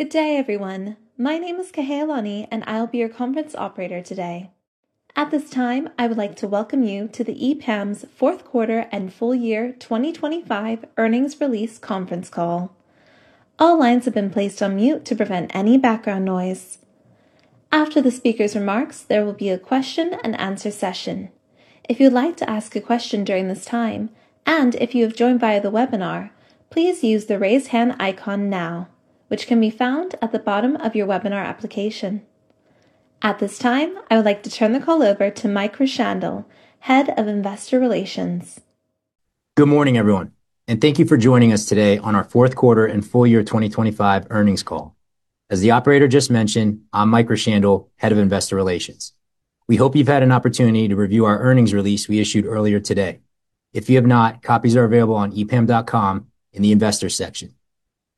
Good day, everyone. My name is Kahealani, and I'll be your conference operator today. At this time, I would like to welcome you to EPAM's fourth quarter and full-year 2025 earnings release conference call. All lines have been placed on mute to prevent any background noise. After the speaker's remarks, there will be a question-and-answer session. If you'd like to ask a question during this time, and if you have joined via the webinar, please use the Raise Hand icon now, which can be found at the bottom of your webinar application. At this time, I would like to turn the call over to Mike Rowshandel, Head of Investor Relations. Good morning, everyone, and thank you for joining us today on our fourth quarter and full-year 2025 earnings call. As the operator just mentioned, I'm Mike Rowshandel, Head of Investor Relations. We hope you've had an opportunity to review our earnings release we issued earlier today. If you have not, copies are available on epam.com in the Investors section.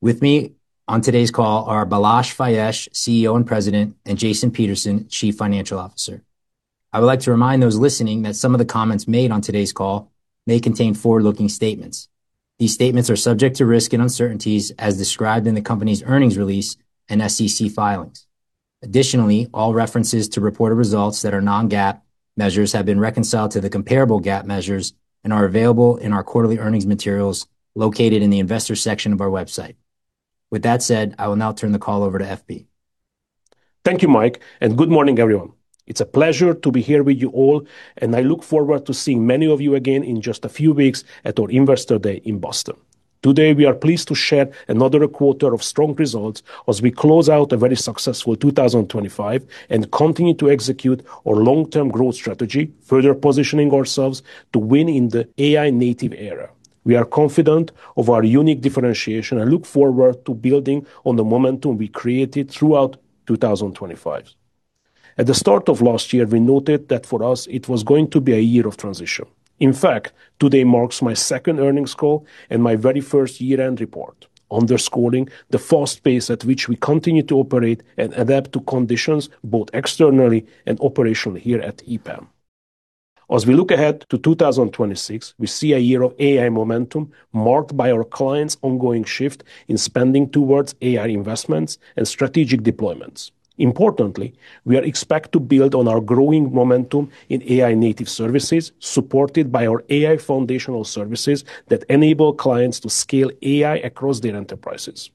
With me on today's call are Balazs Fejes, CEO and President, and Jason Peterson, Chief Financial Officer. I would like to remind those listening that some of the comments made on today's call may contain forward-looking statements. These statements are subject to risks and uncertainties as described in the company's earnings release and SEC filings. Additionally, all references to reported results that are non-GAAP measures have been reconciled to the comparable GAAP measures and are available in our quarterly earnings materials located in the Investors section of our website. With that said, I will now turn the call over to FB. Thank you, Mike, and good morning, everyone. It's a pleasure to be here with you all, and I look forward to seeing many of you again in just a few weeks at our Investor Day in Boston. Today, we are pleased to share another quarter of strong results as we close out a very successful 2025 and continue to execute our long-term growth strategy, further positioning ourselves to win in the AI-native era. We are confident of our unique differentiation and look forward to building on the momentum we created throughout 2025. At the start of last year, we noted that for us it was going to be a year of transition. In fact, today marks my second earnings call and my very first year-end report, underscoring the fast pace at which we continue to operate and adapt to conditions both externally and operationally here at EPAM. As we look ahead to 2026, we see a year of AI momentum marked by our clients' ongoing shift in spending towards AI investments and strategic deployments. Importantly, we expect to build on our growing momentum in AI-native services, supported by our AI foundational services that enable clients to scale AI across their enterprises.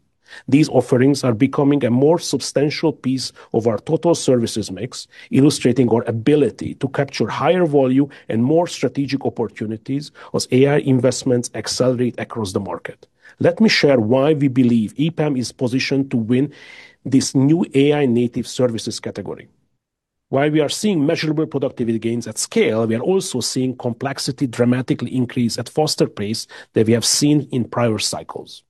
These offerings are becoming a more substantial piece of our total services mix, illustrating our ability to capture higher value and more strategic opportunities as AI investments accelerate across the market. Let me share why we believe EPAM is positioned to win this new AI-native services category. While we are seeing measurable productivity gains at scale, we are also seeing complexity dramatically increase at faster pace than we have seen in prior cycles.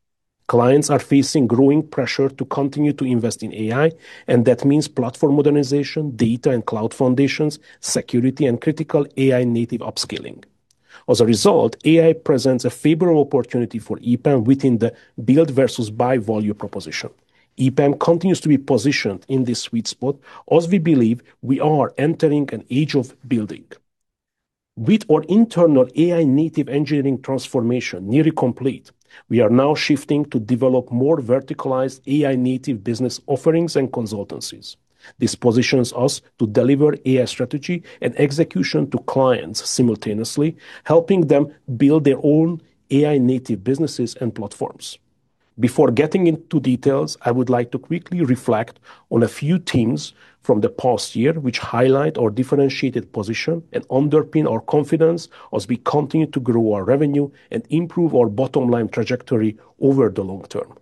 Clients are facing growing pressure to continue to invest in AI, and that means platform modernization, data and cloud foundations, security, and critical AI-native upscaling. As a result, AI presents a favorable opportunity for EPAM within the build versus buy value proposition. EPAM continues to be positioned in this sweet spot as we believe we are entering an age of building. With our internal AI-native engineering transformation nearly complete, we are now shifting to develop more verticalized AI-native business offerings and consultancies. This positions us to deliver AI strategy and execution to clients, simultaneously helping them build their own AI-native businesses and platforms. Before getting into details, I would like to quickly reflect on a few themes from the past year, which highlight our differentiated position and underpin our confidence as we continue to grow our revenue and improve our bottom-line trajectory over the long term.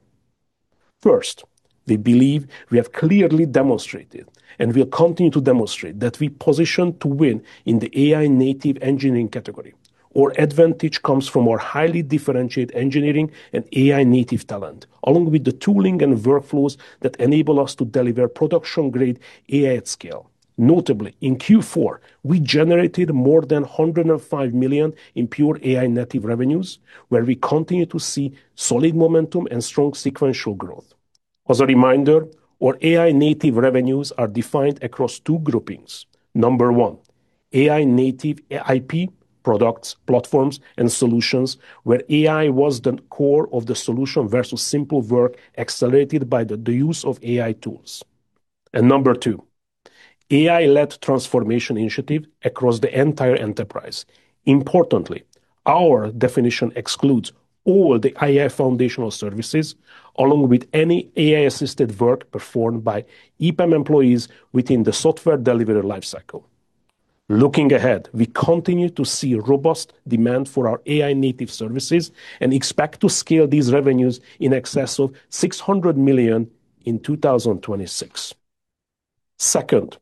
First, we believe we have clearly demonstrated, and we'll continue to demonstrate, that we position to win in the AI-native engineering category. Our advantage comes from our highly differentiated engineering and AI-native talent, along with the tooling and workflows that enable us to deliver production-grade AI at scale. Notably, in Q4, we generated more than $105 million in pure AI-native revenues, where we continue to see solid momentum and strong sequential growth. As a reminder, our AI-native revenues are defined across two groupings: number one, AI-native IP, products, platforms, and solutions, where AI was the core of the solution versus simple work accelerated by the use of AI tools. And number two, AI-led transformation initiative across the entire enterprise. Importantly, our definition excludes all the AI foundational services, along with any AI-assisted work performed by EPAM employees within the software delivery lifecycle. Looking ahead, we continue to see robust demand for our AI-native services and expect to scale these revenues in excess of $600 million in 2026. Second,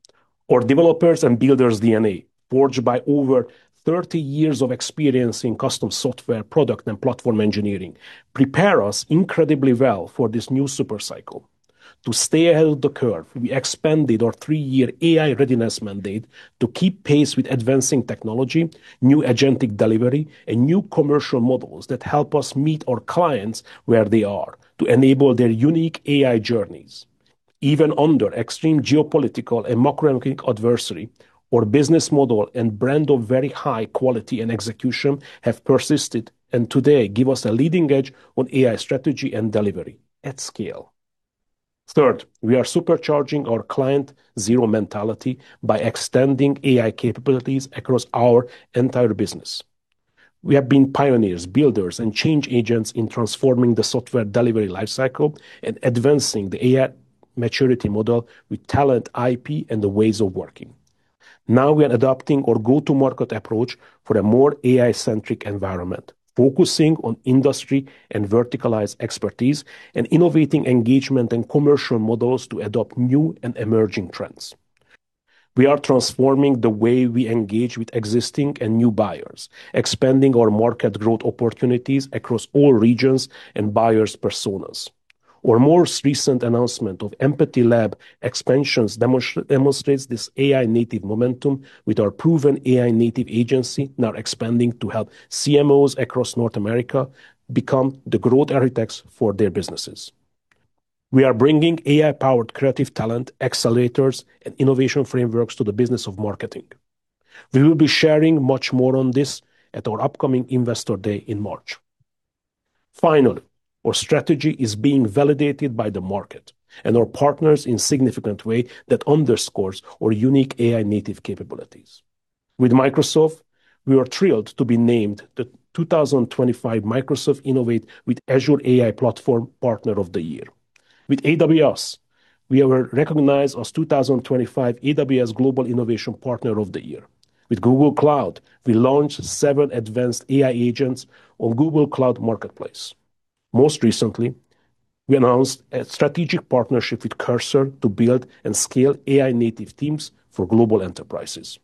our developers' and builders' DNA, forged by over 30 years of experience in custom software product and platform engineering, prepare us incredibly well for this new super cycle. To stay ahead of the curve, we expanded our three-year AI readiness mandate to keep pace with advancing technology, new agentic delivery, and new commercial models that help us meet our clients where they are to enable their unique AI journeys. Even under extreme geopolitical and macroeconomic adversity, our business model and brand of very high quality and execution have persisted, and today give us a leading edge on AI strategy and delivery at scale. Third, we are supercharging our client zero mentality by extending AI capabilities across our entire business. We have been pioneers, builders, and change agents in transforming the software delivery life cycle and advancing the AI maturity model with talent, IP, and the ways of working. Now, we are adapting our go-to-market approach for a more AI-centric environment, focusing on industry and verticalized expertise, and innovating engagement and commercial models to adopt new and emerging trends. We are transforming the way we engage with existing and new buyers, expanding our market growth opportunities across all regions and buyers' personas. Our most recent announcement of Empathy Lab expansions demonstrates this AI-native momentum, with our proven AI-native agency now expanding to help CMOs across North America become the growth architects for their businesses. We are bringing AI-powered creative talent, accelerators, and innovation frameworks to the business of marketing. We will be sharing much more on this at our upcoming Investor Day in March. Finally, our strategy is being validated by the market and our partners in significant way that underscores our unique AI-native capabilities. With Microsoft, we are thrilled to be named the 2025 Microsoft Innovate with Azure AI Platform Partner of the Year. With AWS, we were recognized as 2025 AWS Global Innovation Partner of the Year. With Google Cloud, we launched seven advanced AI agents on Google Cloud Marketplace. Most recently, we announced a strategic partnership with Cursor to build and scale AI-native teams for global enterprises.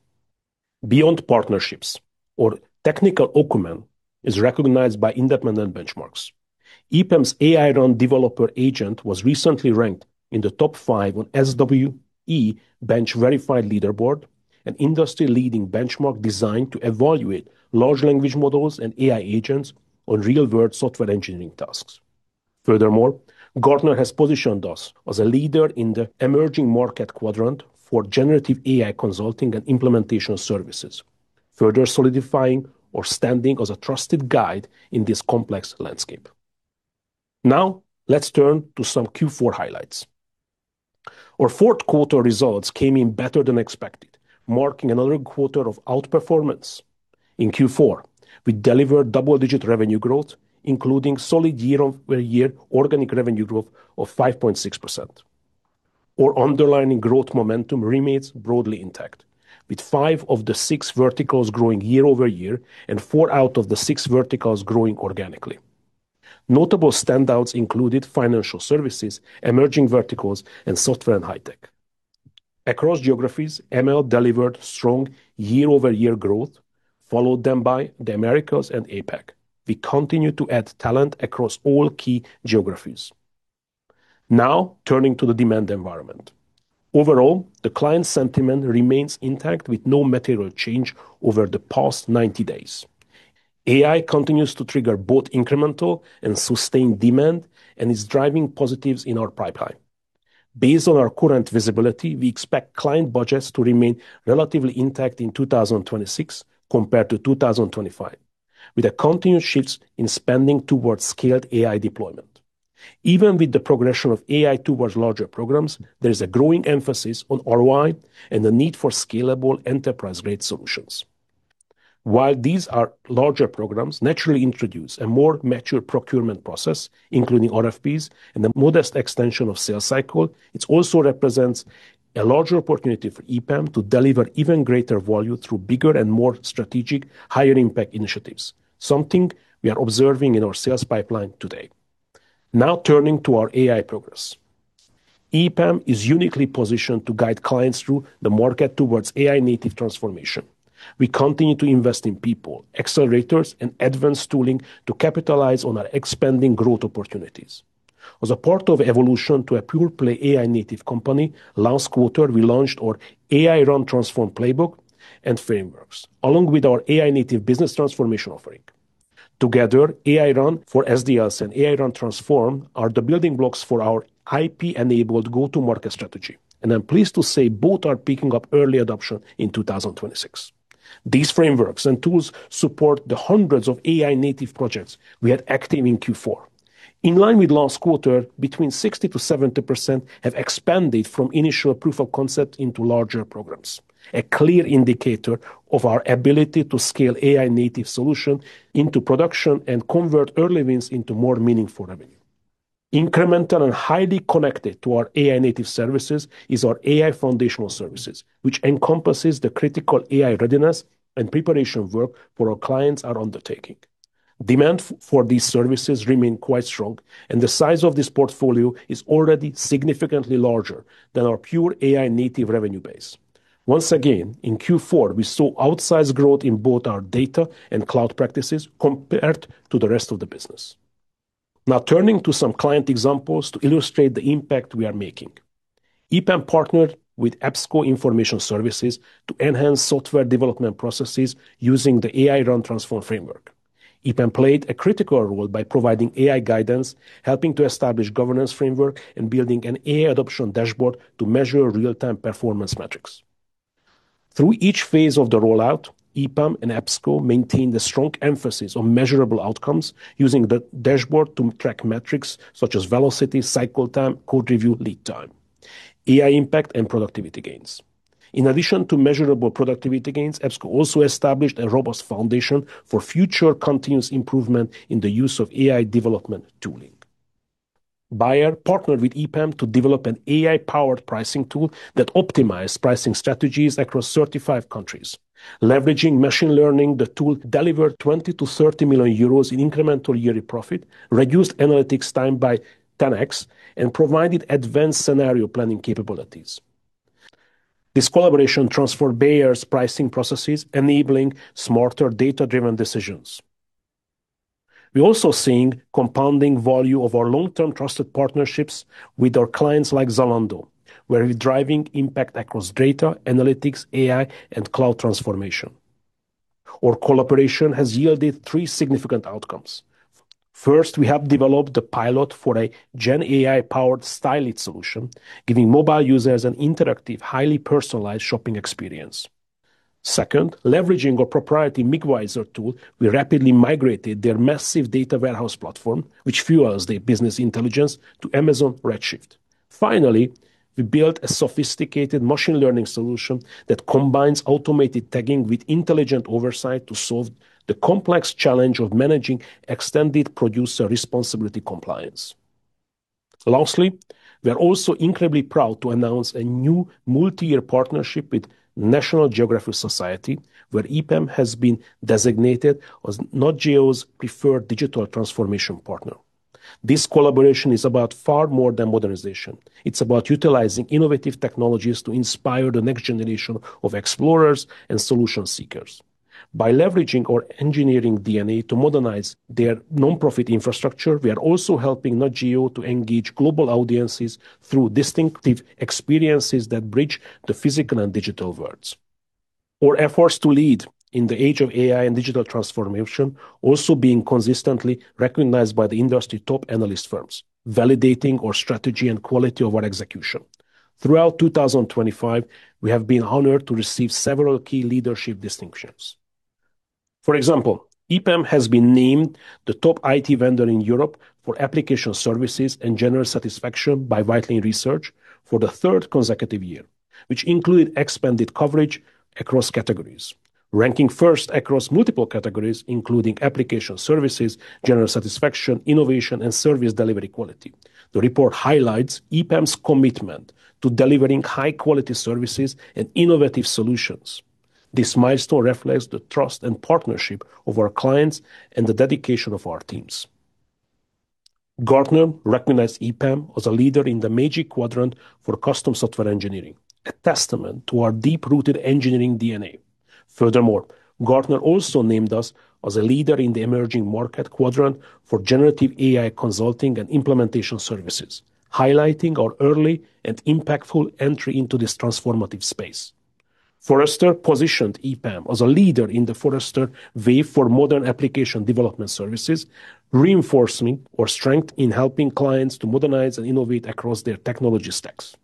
Beyond partnerships, our technical acumen is recognized by independent benchmarks. EPAM's AI/Run Developer Agent was recently ranked in the top five on SWE-bench Verified Leaderboard, an industry-leading benchmark designed to evaluate large language models and AI agents on real-world software engineering tasks. Furthermore, Gartner has positioned us as a leader in the emerging market quadrant for generative AI consulting and implementation services, further solidifying our standing as a trusted guide in this complex landscape. Now, let's turn to some Q4 highlights. Our fourth quarter results came in better than expected, marking another quarter of outperformance. In Q4, we delivered double-digit revenue growth, including solid year-over-year organic revenue growth of 5.6%. Our underlying growth momentum remains broadly intact, with five of the six verticals growing year-over-year and four out of the six verticals growing organically. Notable standouts included Financial Services, Emerging Verticals, and Software & Hi-Tech. Across geographies, EMEA delivered strong year-over-year growth, followed then by the Americas and APAC. We continue to add talent across all key geographies. Now, turning to the demand environment. Overall, the client sentiment remains intact, with no material change over the past 90 days. AI continues to trigger both incremental and sustained demand and is driving positives in our pipeline. Based on our current visibility, we expect client budgets to remain relatively intact in 2026 compared to 2025, with a continuous shifts in spending towards scaled AI deployment. Even with the progression of AI towards larger programs, there is a growing emphasis on ROI and the need for scalable enterprise-grade solutions. While these are larger programs, naturally introduce a more mature procurement process, including RFPs and a modest extension of sales cycle, it also represents a larger opportunity for EPAM to deliver even greater value through bigger and more strategic, higher impact initiatives, something we are observing in our sales pipeline today. Now, turning to our AI progress. EPAM is uniquely positioned to guide clients through the market towards AI-native transformation. We continue to invest in people, accelerators, and advanced tooling to capitalize on our expanding growth opportunities. As a part of evolution to a pure-play AI-native company, last quarter, we launched our AI/Run Transform Playbook and frameworks, along with our AI-native business transformation offering. Together, AI/Run for SDLC and AI/Run Transform are the building blocks for our IP-enabled go-to-market strategy, and I'm pleased to say both are picking up early adoption in 2026. These frameworks and tools support the hundreds of AI-native projects we had active in Q4. In line with last quarter, between 60%-70% have expanded from initial proof of concept into larger programs, a clear indicator of our ability to scale AI-native solution into production and convert early wins into more meaningful revenue. Incremental and highly connected to our AI-native services is our AI foundational services, which encompasses the critical AI readiness and preparation work for our clients are undertaking. Demand for these services remain quite strong, and the size of this portfolio is already significantly larger than our pure AI-native revenue base. Once again, in Q4, we saw outsized growth in both our data and cloud practices compared to the rest of the business. Now, turning to some client examples to illustrate the impact we are making. EPAM partnered with EBSCO Information Services to enhance software development processes using the AI/Run Transform framework. EPAM played a critical role by providing AI guidance, helping to establish governance framework, and building an AI adoption dashboard to measure real-time performance metrics. Through each phase of the rollout, EPAM and EBSCO maintained a strong emphasis on measurable outcomes, using the dashboard to track metrics such as velocity, cycle time, code review, lead time, AI impact, and productivity gains. In addition to measurable productivity gains, EBSCO also established a robust foundation for future continuous improvement in the use of AI development tooling. Bayer partnered with EPAM to develop an AI-powered pricing tool that optimized pricing strategies across 35 countries. Leveraging machine learning, the tool delivered 20 million-30 million euros in incremental yearly profit, reduced analytics time by 10x, and provided advanced scenario planning capabilities. This collaboration transformed Bayer's pricing processes, enabling smarter, data-driven decisions. We're also seeing compounding value of our long-term trusted partnerships with our clients like Zalando, where we're driving impact across data, analytics, AI, and cloud transformation. Our collaboration has yielded three significant outcomes. First, we have developed a pilot for a Gen AI-powered styling solution, giving mobile users an interactive, highly personalized shopping experience. Second, leveraging our proprietary migVisor tool, we rapidly migrated their massive data warehouse platform, which fuels their business intelligence, to Amazon Redshift. Finally, we built a sophisticated machine learning solution that combines automated tagging with intelligent oversight to solve the complex challenge of managing extended producer responsibility compliance. Lastly, we are also incredibly proud to announce a new multi-year partnership with National Geographic Society, where EPAM has been designated as Nat Geo's preferred digital transformation partner. This collaboration is about far more than modernization. It's about utilizing innovative technologies to inspire the next generation of explorers and solution seekers. By leveraging our engineering DNA to modernize their nonprofit infrastructure, we are also helping Nat Geo to engage global audiences through distinctive experiences that bridge the physical and digital worlds. Our efforts to lead in the age of AI and digital transformation also being consistently recognized by the industry top analyst firms, validating our strategy and quality of our execution. Throughout 2025, we have been honored to receive several key leadership distinctions. For example, EPAM has been named the top IT vendor in Europe for application services and general satisfaction by Whitelane Research for the third consecutive year, which included expanded coverage across categories, ranking first across multiple categories, including application services, general satisfaction, innovation, and service delivery quality. The report highlights EPAM's commitment to delivering high-quality services and innovative solutions. This milestone reflects the trust and partnership of our clients and the dedication of our teams. Gartner recognized EPAM as a leader in the Magic Quadrant for Custom Software Engineering, a testament to our deep-rooted engineering DNA. Furthermore, Gartner also named us as a leader in the emerging market quadrant for generative AI consulting and implementation services, highlighting our early and impactful entry into this transformative space. Forrester positioned EPAM as a leader in the Forrester Wave for Modern Application Development Services, reinforcing our strength in helping clients to modernize and innovate across their technology stacks.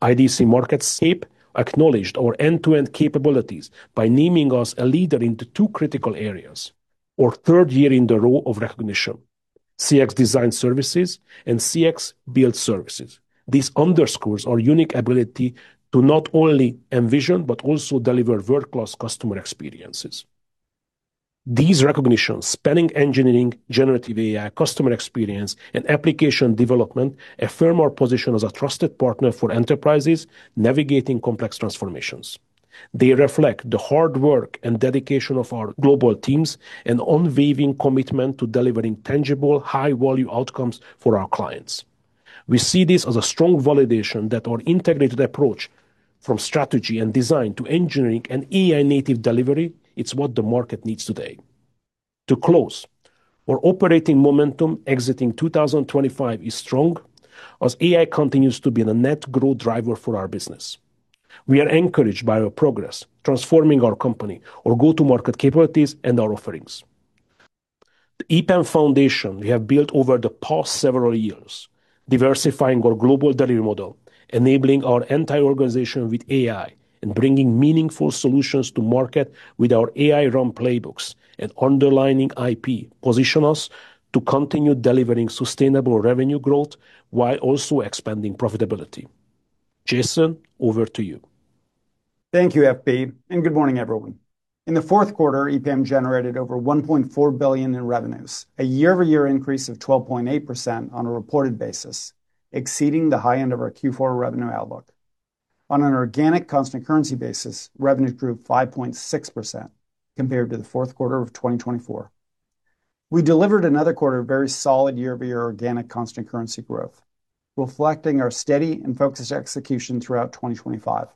IDC MarketScape acknowledged our end-to-end capabilities by naming us a leader in the two critical areas, our third year in a row of recognition: CX Design Services and CX Build Services. This underscores our unique ability to not only envision, but also deliver world-class customer experiences. These recognitions, spanning engineering, generative AI, customer experience, and application development, affirm our position as a trusted partner for enterprises navigating complex transformations. They reflect the hard work and dedication of our global teams and unwavering commitment to delivering tangible, high-value outcomes for our clients. We see this as a strong validation that our integrated approach from strategy and design to engineering and AI-native delivery, it's what the market needs today. To close, our operating momentum exiting 2025 is strong, as AI continues to be a net growth driver for our business. We are encouraged by our progress, transforming our company, our go-to-market capabilities, and our offerings. The EPAM foundation we have built over the past several years, diversifying our global delivery model, enabling our entire organization with AI, and bringing meaningful solutions to market with our AI/Run playbooks and underlying IP, position us to continue delivering sustainable revenue growth while also expanding profitability. Jason, over to you. Thank you, FB, and good morning, everyone. In the fourth quarter, EPAM generated over $1.4 billion in revenues, a year-over-year increase of 12.8% on a reported basis, exceeding the high end of our Q4 revenue outlook. On an organic constant currency basis, revenues grew 5.6% compared to the fourth quarter of 2024. We delivered another quarter of very solid year-over-year organic constant currency growth, reflecting our steady and focused execution throughout 2025.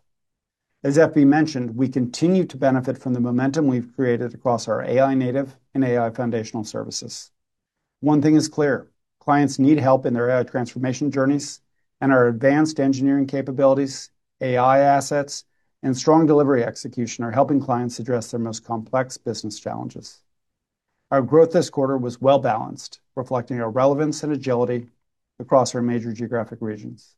As FB mentioned, we continue to benefit from the momentum we've created across our AI-native and AI foundational services. One thing is clear, clients need help in their AI transformation journeys, and our advanced engineering capabilities, AI assets, and strong delivery execution are helping clients address their most complex business challenges. Our growth this quarter was well balanced, reflecting our relevance and agility across our major geographic regions.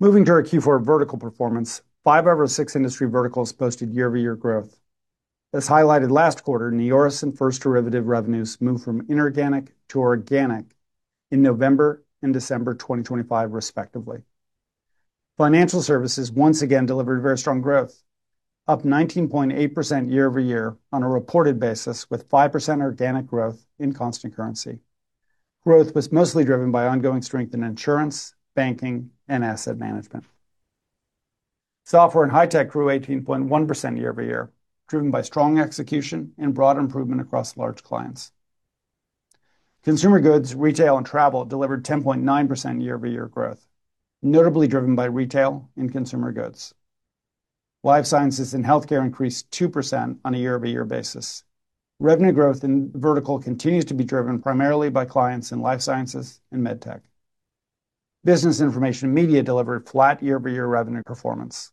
Moving to our Q4 vertical performance. Five out of our six industry verticals posted year-over-year growth. As highlighted last quarter, NEORIS and First Derivative revenues moved from inorganic to organic in November and December 2025, respectively. Financial Services once again delivered very strong growth, up 19.8% year-over-year on a reported basis, with 5% organic growth in constant currency. Growth was mostly driven by ongoing strength in insurance, banking, and asset management. Software & Hi-Tech grew 18.1% year-over-year, driven by strong execution and broad improvement across large clients. Consumer Goods, Retail & Travel delivered 10.9% year-over-year growth, notably driven by Retail and Consumer Goods. Life sciences & Healthcare increased 2% on a year-over-year basis. Revenue growth in vertical continues to be driven primarily by clients in Life Sciences and MedTech. Business Information & Media delivered flat year-over-year revenue performance.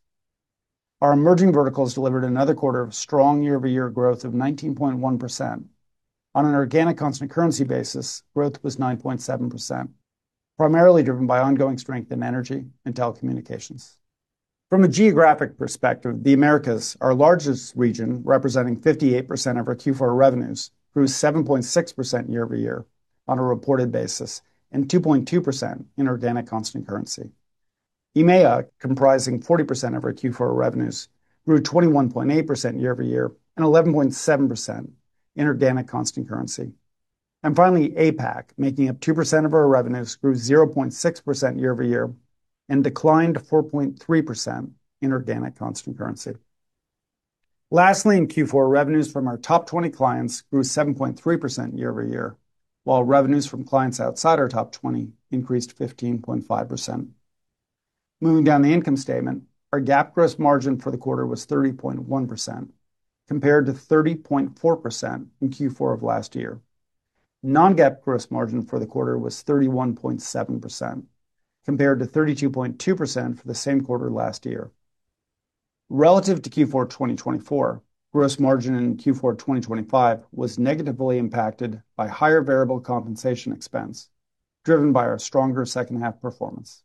Our Emerging Verticals delivered another quarter of strong year-over-year growth of 19.1%. On an organic constant currency basis, growth was 9.7%, primarily driven by ongoing strength in energy and telecommunications. From a geographic perspective, the Americas, our largest region, representing 58% of our Q4 revenues, grew 7.6% year-over-year on a reported basis and 2.2% in organic constant currency. EMEA, comprising 40% of our Q4 revenues, grew 21.8% year-over-year and 11.7% in organic constant currency. And finally, APAC, making up 2% of our revenues, grew 0.6% year-over-year and declined to 4.3% in organic constant currency. Lastly, in Q4, revenues from our top 20 clients grew 7.3% year-over-year, while revenues from clients outside our top 20 increased 15.5%. Moving down the income statement. Our GAAP gross margin for the quarter was 30.1%, compared to 30.4% in Q4 of last year. Non-GAAP gross margin for the quarter was 31.7%, compared to 32.2% for the same quarter last year. Relative to Q4 2024, gross margin in Q4 2025 was negatively impacted by higher variable compensation expense, driven by our stronger second half performance.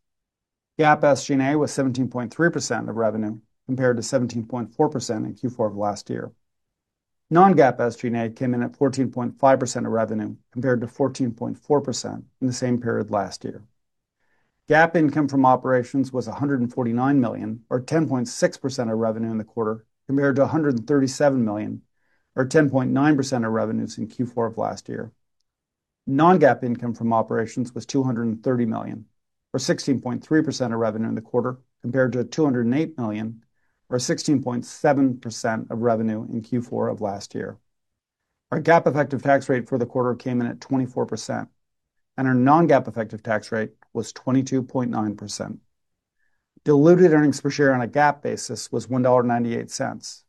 GAAP SG&A was 17.3% of revenue, compared to 17.4% in Q4 of last year. Non-GAAP SG&A came in at 14.5% of revenue, compared to 14.4% in the same period last year. GAAP income from operations was $149 million, or 10.6% of revenue in the quarter, compared to $137 million, or 10.9% of revenues in Q4 of last year. Non-GAAP income from operations was $230 million, or 16.3% of revenue in the quarter, compared to $208 million, or 16.7% of revenue in Q4 of last year. Our GAAP effective tax rate for the quarter came in at 24%, and our non-GAAP effective tax rate was 22.9%. Diluted earnings per share on a GAAP basis was $1.98.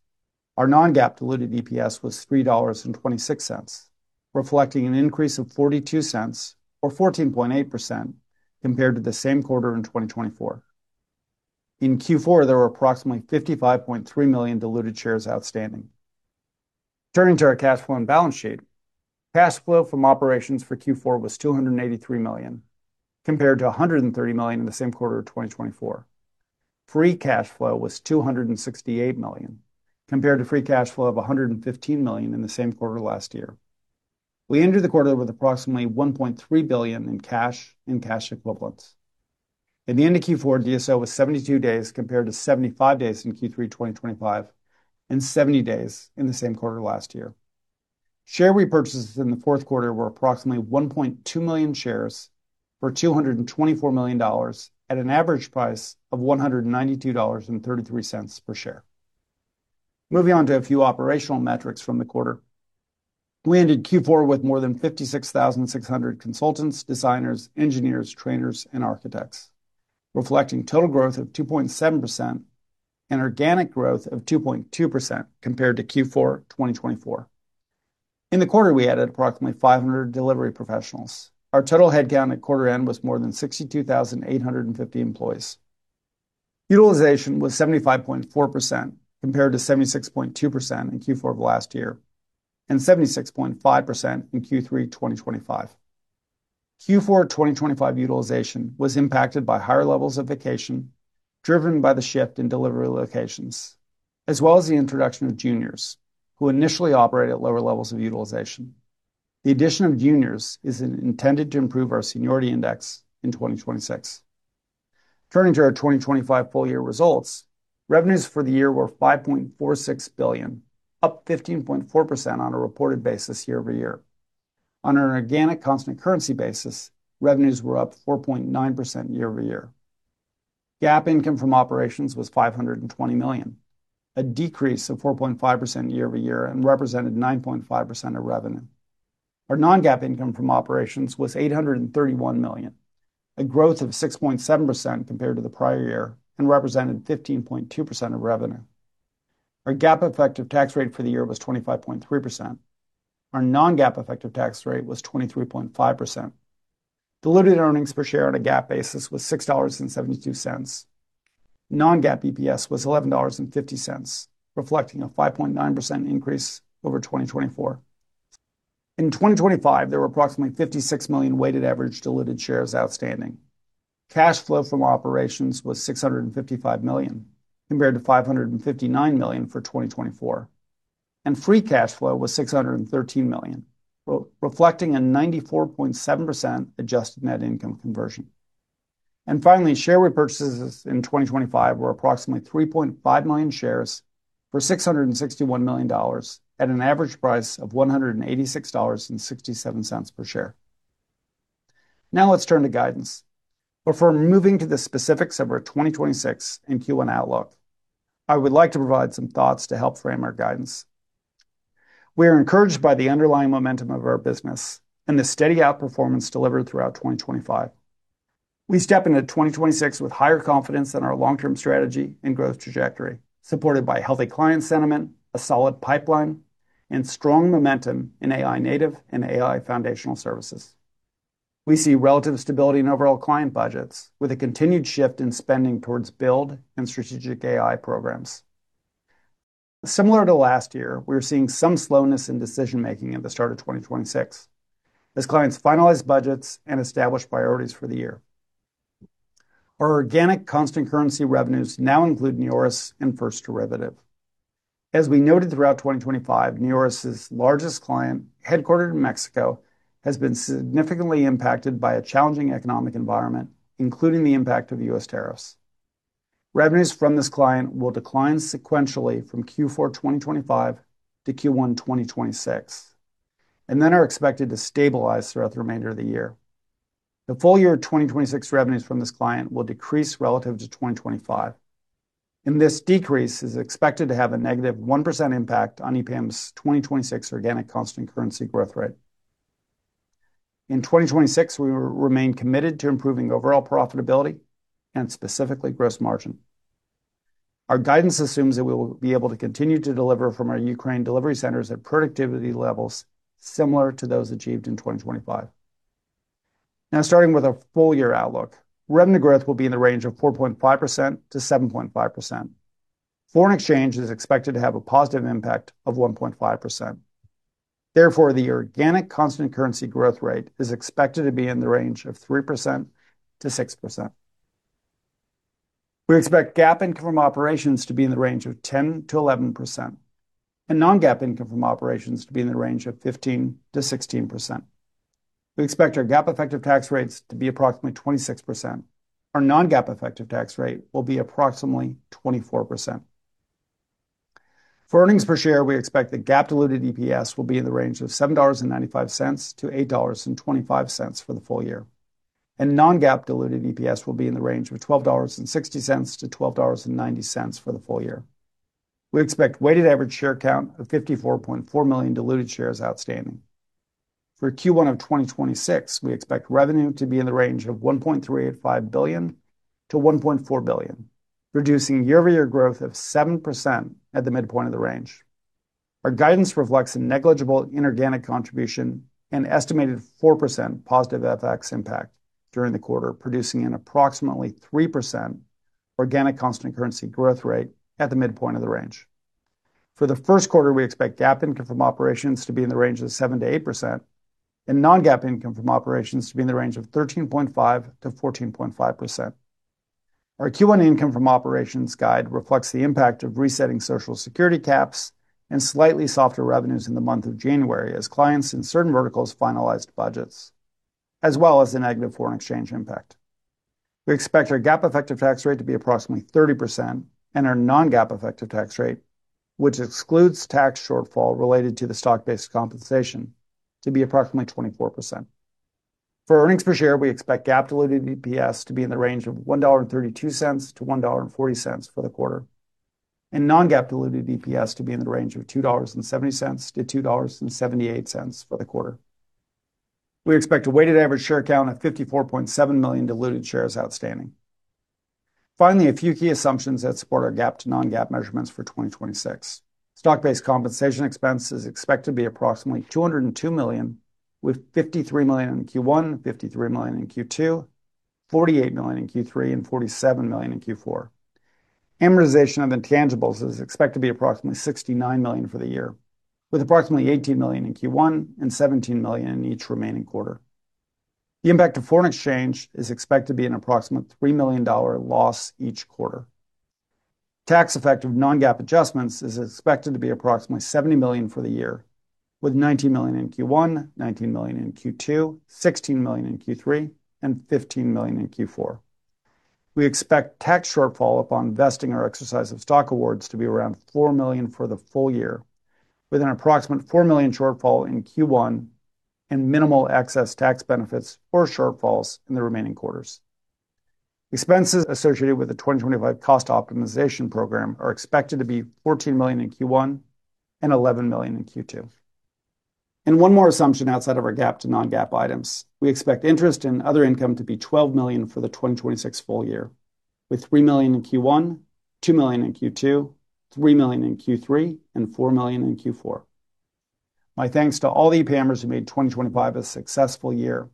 Our non-GAAP diluted EPS was $3.26, reflecting an increase of $0.42 or 14.8% compared to the same quarter in 2024. In Q4, there were approximately 55.3 million diluted shares outstanding. Turning to our cash flow and balance sheet. Cash flow from operations for Q4 was $283 million, compared to $130 million in the same quarter of 2024. Free cash flow was $268 million, compared to free cash flow of $115 million in the same quarter last year. We ended the quarter with approximately $1.3 billion in cash and cash equivalents. At the end of Q4, DSO was 72 days, compared to 75 days in Q3 2025 and 70 days in the same quarter last year. Share repurchases in the fourth quarter were approximately 1.2 million shares for $224 million, at an average price of $192.33 per share. Moving on to a few operational metrics from the quarter. We ended Q4 with more than 56,600 consultants, designers, engineers, trainers, and architects, reflecting total growth of 2.7% and organic growth of 2.2% compared to Q4 2024. In the quarter, we added approximately 500 delivery professionals. Our total headcount at quarter end was more than 62,850 employees. Utilization was 75.4%, compared to 76.2% in Q4 of last year, and 76.5% in Q3 2025. Q4 2025 utilization was impacted by higher levels of vacation, driven by the shift in delivery locations, as well as the introduction of juniors, who initially operate at lower levels of utilization. The addition of juniors is intended to improve our seniority index in 2026. Turning to our 2025 full-year results. Revenues for the year were $5.46 billion, up 15.4% on a reported basis year-over-year. On an organic constant currency basis, revenues were up 4.9% year-over-year. GAAP income from operations was $520 million, a decrease of 4.5% year-over-year and represented 9.5% of revenue. Our non-GAAP income from operations was $831 million, a growth of 6.7% compared to the prior year, and represented 15.2% of revenue. Our GAAP effective tax rate for the year was 25.3%. Our non-GAAP effective tax rate was 23.5%. Diluted earnings per share on a GAAP basis was $6.72. Non-GAAP EPS was $11.50, reflecting a 5.9% increase over 2024. In 2025, there were approximately 56 million weighted average diluted shares outstanding. Cash flow from operations was $655 million, compared to $559 million for 2024, and free cash flow was $613 million, reflecting a 94.7% adjusted net income conversion. Finally, share repurchases in 2025 were approximately 3.5 million shares for $661 million at an average price of $186.67 per share. Now let's turn to guidance. Before moving to the specifics of our 2026 and Q1 outlook, I would like to provide some thoughts to help frame our guidance. We are encouraged by the underlying momentum of our business and the steady outperformance delivered throughout 2025. We step into 2026 with higher confidence in our long-term strategy and growth trajectory, supported by healthy client sentiment, a solid pipeline, and strong momentum in AI-native and AI foundational services. We see relative stability in overall client budgets, with a continued shift in spending towards build and strategic AI programs. Similar to last year, we are seeing some slowness in decision-making at the start of 2026 as clients finalize budgets and establish priorities for the year. Our organic constant currency revenues now include NEORIS and First Derivative. As we noted throughout 2025, NEORIS's largest client, headquartered in Mexico, has been significantly impacted by a challenging economic environment, including the impact of U.S. tariffs. Revenues from this client will decline sequentially from Q4 2025 to Q1 2026, and then are expected to stabilize throughout the remainder of the year. The full year of 2026 revenues from this client will decrease relative to 2025, and this decrease is expected to have a -1% impact on EPAM's 2026 organic constant currency growth rate. In 2026, we will remain committed to improving overall profitability and specifically gross margin. Our guidance assumes that we will be able to continue to deliver from our Ukraine delivery centers at productivity levels similar to those achieved in 2025. Now, starting with our full-year outlook. Revenue growth will be in the range of 4.5%-7.5%. Foreign exchange is expected to have a positive impact of 1.5%. Therefore, the organic constant currency growth rate is expected to be in the range of 3%-6%. We expect GAAP income from operations to be in the range of 10%-11% and non-GAAP income from operations to be in the range of 15%-16%. We expect our GAAP effective tax rates to be approximately 26%. Our non-GAAP effective tax rate will be approximately 24%. For earnings per share, we expect that GAAP diluted EPS will be in the range of $7.95-$8.25 for the full year, and non-GAAP diluted EPS will be in the range of $12.60-$12.90 for the full year. We expect weighted average share count of 54.4 million diluted shares outstanding. For Q1 of 2026, we expect revenue to be in the range of $1.385 billion-$1.4 billion, producing year-over-year growth of 7% at the midpoint of the range. Our guidance reflects a negligible inorganic contribution and estimated 4% positive FX impact during the quarter, producing an approximately 3% organic constant currency growth rate at the midpoint of the range. For the first quarter, we expect GAAP income from operations to be in the range of 7%-8% and non-GAAP income from operations to be in the range of 13.5%-14.5%. Our Q1 income from operations guide reflects the impact of resetting Social Security caps and slightly softer revenues in the month of January as clients in certain verticals finalized budgets, as well as the negative foreign exchange impact. We expect our GAAP effective tax rate to be approximately 30% and our non-GAAP effective tax rate, which excludes tax shortfall related to the stock-based compensation, to be approximately 24%. For earnings per share, we expect GAAP diluted EPS to be in the range of $1.32-$1.40 for the quarter, and non-GAAP diluted EPS to be in the range of $2.70-$2.78 for the quarter. We expect a weighted average share count of 54.7 million diluted shares outstanding. Finally, a few key assumptions that support our GAAP to non-GAAP measurements for 2026. Stock-based compensation expense is expected to be approximately $202 million, with $53 million in Q1, $53 million in Q2, $48 million in Q3, and $47 million in Q4. Amortization of intangibles is expected to be approximately $69 million for the year, with approximately $18 million in Q1 and $17 million in each remaining quarter. The impact of foreign exchange is expected to be an approximate $3 million loss each quarter. Tax effect of non-GAAP adjustments is expected to be approximately $70 million for the year, with $19 million in Q1, $19 million in Q2, $16 million in Q3, and $15 million in Q4. We expect tax shortfall upon vesting or exercise of stock awards to be around $4 million for the full year, with an approximate $4 million shortfall in Q1 and minimal excess tax benefits or shortfalls in the remaining quarters. Expenses associated with the 2025 cost optimization program are expected to be $14 million in Q1 and $11 million in Q2. One more assumption outside of our GAAP to non-GAAP items, we expect interest and other income to be $12 million for the 2026 full year, with $3 million in Q1, $2 million in Q2, $3 million in Q3, and $4 million in Q4. My thanks to all the EPAMers who made 2025 a successful year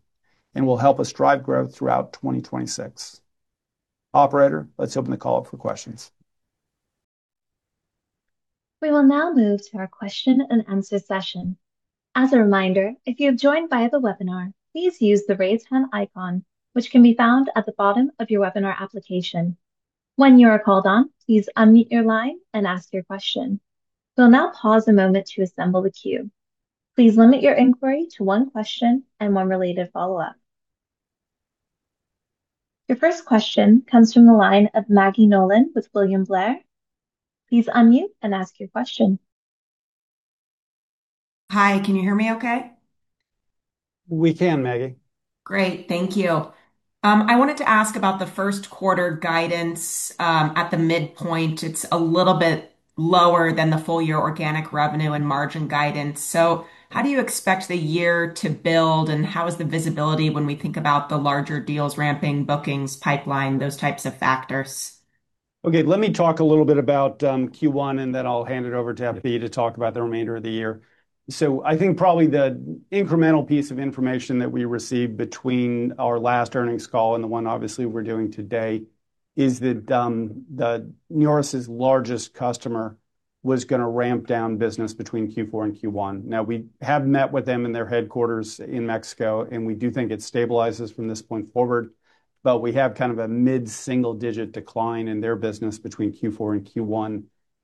and will help us drive growth throughout 2026. Operator, let's open the call up for questions. We will now move to our question-and-answer session. As a reminder, if you have joined via the webinar, please use the Raise Hand icon, which can be found at the bottom of your webinar application. When you are called on, please unmute your line and ask your question. We'll now pause a moment to assemble the queue. Please limit your inquiry to one question and one related follow-up. Your first question comes from the line of Maggie Nolan with William Blair. Please unmute and ask your question. Hi. Can you hear me okay? We can, Maggie. Great. Thank you. I wanted to ask about the first quarter guidance, at the midpoint. It's a little bit lower than the full-year organic revenue and margin guidance. So how do you expect the year to build, and how is the visibility when we think about the larger deals, ramping, bookings, pipeline, those types of factors? Okay, let me talk a little bit about Q1, and then I'll hand it over to FB to talk about the remainder of the year. So I think probably the incremental piece of information that we received between our last earnings call and the one obviously we're doing today is that NEORIS's largest customer was gonna ramp down business between Q4 and Q1. Now, we have met with them in their headquarters in Mexico, and we do think it stabilizes from this point forward, but we have kind of a mid-single digit decline in their business between Q4 and Q1,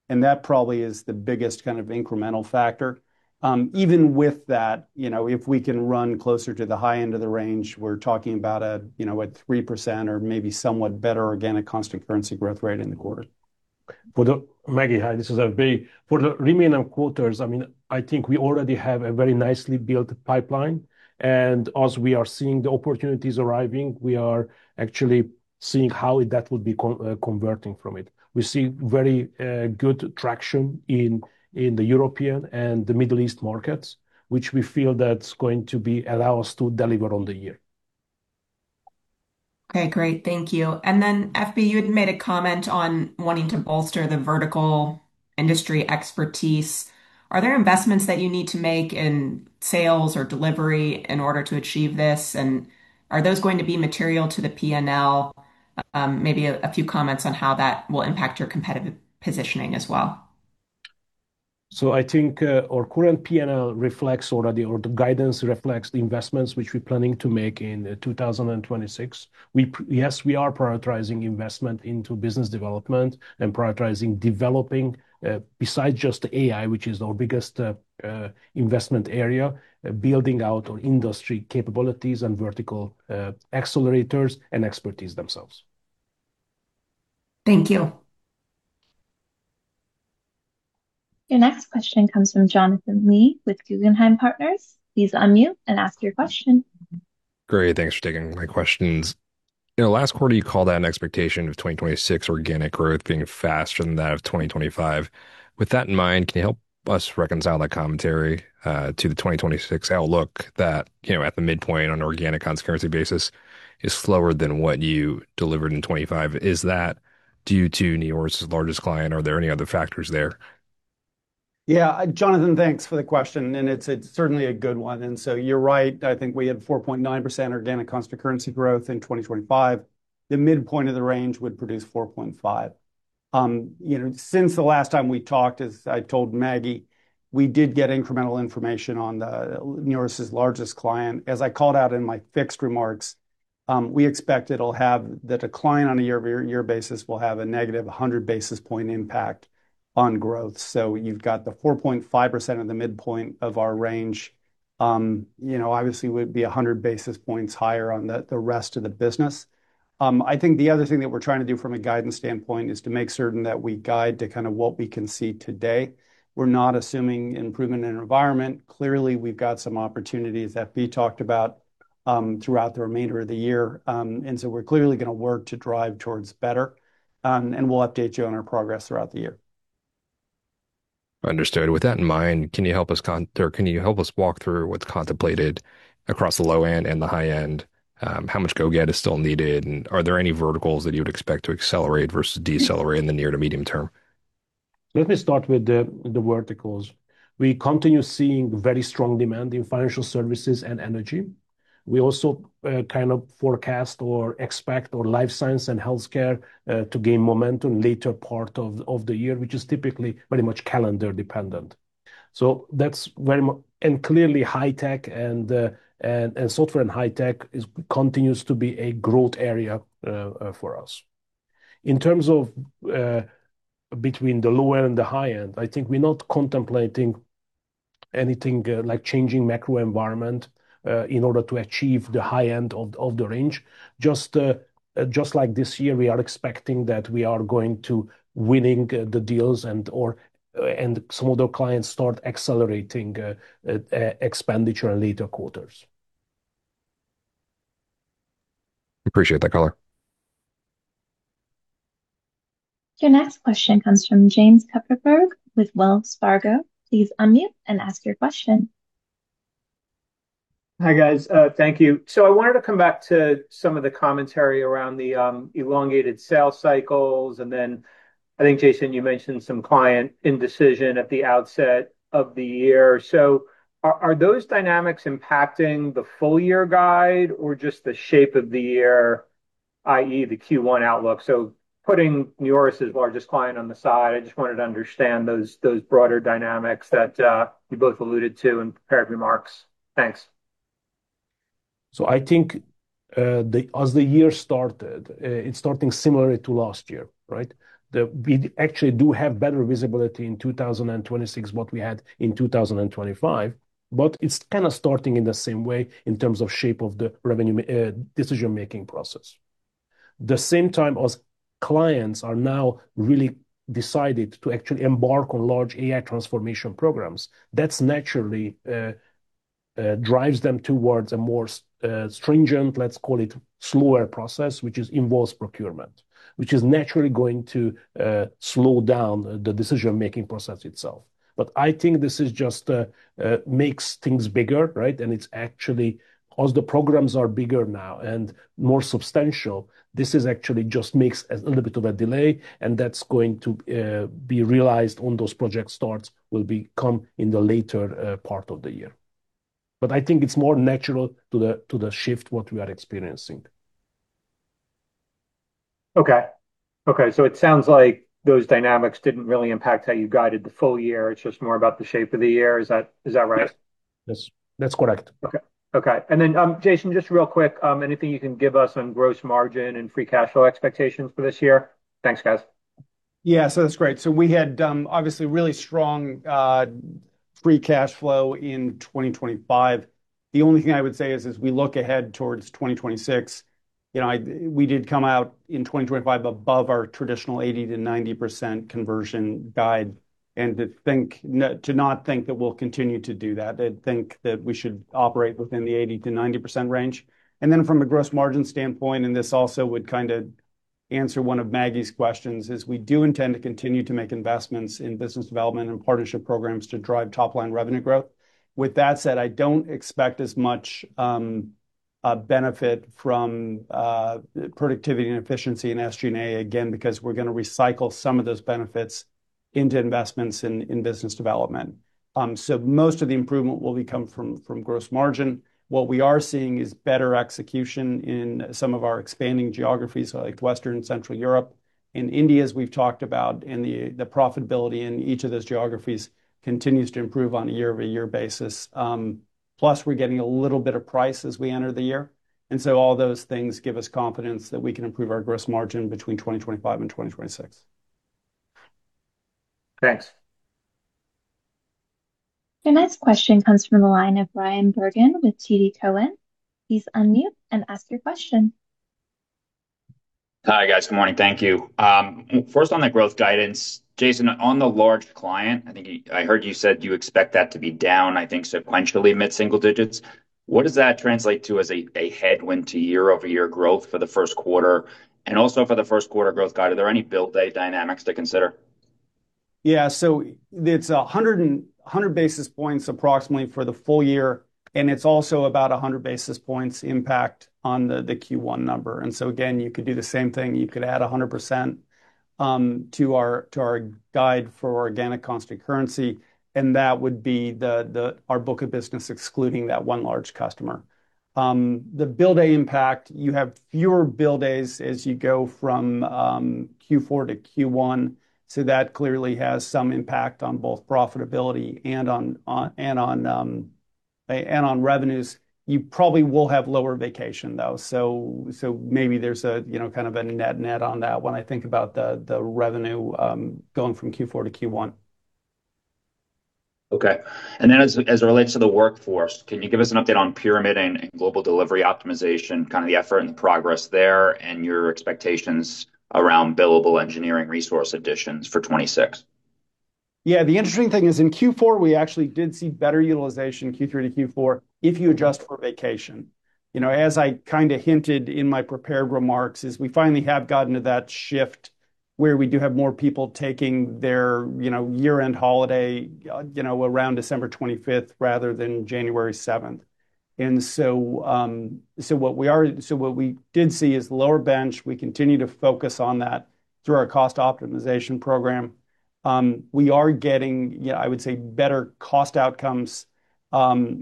and that probably is the biggest kind of incremental factor. Even with that, you know, if we can run closer to the high end of the range, we're talking about a, you know, a 3% or maybe somewhat better organic constant currency growth rate in the quarter. Maggie, hi, this is FB. For the remaining quarters, I mean, I think we already have a very nicely built pipeline, and as we are seeing the opportunities arriving, we are actually seeing how that would be converting from it. We see very good traction in the European and the Middle East markets, which we feel that's going to be allow us to deliver on the year. Okay, great. Thank you. And then, FB, you had made a comment on wanting to bolster the vertical industry expertise. Are there investments that you need to make in sales or delivery in order to achieve this? And are those going to be material to the P&L? Maybe a few comments on how that will impact your competitive positioning as well. So I think, our current P&L reflects already, or the guidance reflects the investments which we're planning to make in 2026. We yes, we are prioritizing investment into business development and prioritizing developing, besides just AI, which is our biggest investment area, building out our industry capabilities and vertical accelerators and expertise themselves. Thank you. Your next question comes from Jonathan Lee with Guggenheim Partners. Please unmute and ask your question. Great, thanks for taking my questions. You know, last quarter, you called out an expectation of 2026 organic growth being faster than that of 2025. With that in mind, can you help us reconcile that commentary to the 2026 outlook that, you know, at the midpoint on an organic currency basis is slower than what you delivered in 2025? Is that due to NEORIS's largest client, or are there any other factors there? Yeah. Jonathan, thanks for the question, and it's certainly a good one. So you're right, I think we had 4.9% organic constant currency growth in 2025. The midpoint of the range would produce 4.5%. You know, since the last time we talked, as I told Maggie, we did get incremental information on the NEORIS's largest client. As I called out in my prepared remarks, we expect it'll have the decline on a year-over-year basis will have a negative 100 basis point impact on growth. So you've got the 4.5% of the midpoint of our range, you know, obviously would be 100 basis points higher on the rest of the business. I think the other thing that we're trying to do from a guidance standpoint is to make certain that we guide to kind of what we can see today. We're not assuming improvement in environment. Clearly, we've got some opportunities that'll be talked about throughout the remainder of the year. And so we're clearly gonna work to drive towards better, and we'll update you on our progress throughout the year. Understood. With that in mind, can you help us walk through what's contemplated across the low end and the high end? How much go-get is still needed, and are there any verticals that you would expect to accelerate versus decelerate in the near to medium term? Let me start with the verticals. We continue seeing very strong demand in Financial Services and Energy. We also kind of forecast or expect our Life Sciences & Healthcare to gain momentum later part of the year, which is typically very much calendar dependent. And clearly, high tech and Software & Hi-Tech continues to be a growth area for us. In terms of between the low end and the high end, I think we're not contemplating anything like changing macro environment in order to achieve the high end of the range. Just just like this year, we are expecting that we are going to winning the deals and or and some other clients start accelerating expenditure in later quarters. Appreciate that color. Your next question comes from Jason Kupferberg with Wells Fargo. Please unmute and ask your question. Hi, guys. Thank you. So I wanted to come back to some of the commentary around the elongated sales cycles, and then I think, Jason, you mentioned some client indecision at the outset of the year. So are those dynamics impacting the full-year guide or just the shape of the year, i.e., the Q1 outlook? So putting your largest client on the side, I just wanted to understand those broader dynamics that you both alluded to in prepared remarks. Thanks. So I think, as the year started, it's starting similar to last year, right? We actually do have better visibility in 2026 than what we had in 2025, but it's kind of starting in the same way in terms of shape of the revenue, decision-making process. The same time as clients are now really decided to actually embark on large AI transformation programs, that's naturally drives them towards a more stringent, let's call it, slower process, which involves procurement, which is naturally going to slow down the decision-making process itself. But I think this is just makes things bigger, right? And it's actually... As the programs are bigger now and more substantial, this is actually just makes a little bit of a delay, and that's going to be realized on those project starts will become in the later part of the year. But I think it's more natural to the shift what we are experiencing. Okay. Okay, so it sounds like those dynamics didn't really impact how you guided the full year. It's just more about the shape of the year. Is that, is that right? Yes. That's correct. Okay. Okay, and then, Jason, just real quick. Anything you can give us on gross margin and free cash flow expectations for this year? Thanks, guys. Yeah, that's great. We had obviously really strong free cash flow in 2025. The only thing I would say is, as we look ahead towards 2026, you know, we did come out in 2025 above our traditional 80%-90% conversion guide, and to not think that we'll continue to do that. I think that we should operate within the 80%-90% range. Then from a gross margin standpoint, and this also would kind of answer one of Maggie's questions, we do intend to continue to make investments in business development and partnership programs to drive top-line revenue growth. With that said, I don't expect as much benefit from productivity and efficiency in SG&A, again, because we're gonna recycle some of those benefits into investments in business development. So most of the improvement will come from gross margin. What we are seeing is better execution in some of our expanding geographies, like Western and Central Europe and India, as we've talked about, and the profitability in each of those geographies continues to improve on a year-over-year basis. Plus, we're getting a little bit of price as we enter the year, and so all those things give us confidence that we can improve our gross margin between 2025 and 2026. Thanks. Your next question comes from the line of Brian Bergin with TD Cowen. Please unmute and ask your question. Hi, guys. Good morning. Thank you. First, on the growth guidance, Jason, on the large client, I think I heard you said you expect that to be down, I think, sequentially mid-single digits. What does that translate to as a headwind to year-over-year growth for the first quarter? And also for the first quarter growth guide, are there any build day dynamics to consider? Yeah. So it's 100 basis points approximately for the full year, and it's also about 100 basis points impact on the Q1 number. And so again, you could do the same thing. You could add 100%, to our guide for organic constant currency, and that would be our book of business, excluding that one large customer. The bill day impact, you have fewer bill days as you go from Q4 to Q1, so that clearly has some impact on both profitability and on revenues. You probably will have lower vacation, though. So maybe there's a, you know, kind of a net-net on that when I think about the revenue going from Q4 to Q1. Okay. Then as it relates to the workforce, can you give us an update on pyramid and global delivery optimization, kind of the effort and the progress there, and your expectations around billable engineering resource additions for 2026? Yeah. The interesting thing is, in Q4, we actually did see better utilization, Q3 to Q4, if you adjust for vacation. You know, as I kind of hinted in my prepared remarks, is we finally have gotten to that shift where we do have more people taking their, you know, year-end holiday, you know, around December 25th rather than January 7th. And so, so what we did see is lower bench. We continue to focus on that through our cost optimization program. We are getting, yeah, I would say, better cost outcomes, you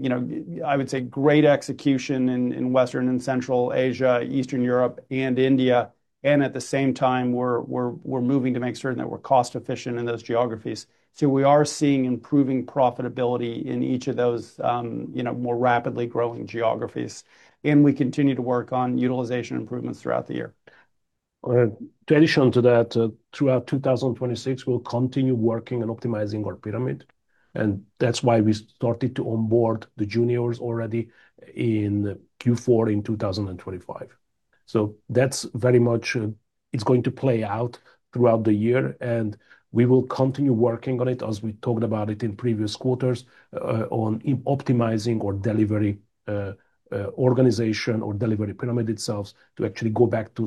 know, I would say great execution in, in Western and Central Asia, Eastern Europe and India, and at the same time, we're, we're, we're moving to make certain that we're cost efficient in those geographies. We are seeing improving profitability in each of those, you know, more rapidly growing geographies, and we continue to work on utilization improvements throughout the year. In addition to that, throughout 2026, we'll continue working on optimizing our pyramid, and that's why we started to onboard the juniors already in Q4 in 2025. So that's very much, it's going to play out throughout the year, and we will continue working on it, as we talked about it in previous quarters, on optimizing our delivery organization or delivery pyramid itself to actually go back to